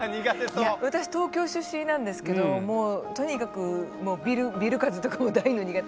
いや私東京出身なんですけどもうとにかくビル風とかも大の苦手。